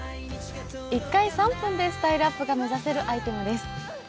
１回３分でスタイルアップが目指せるアイテムです。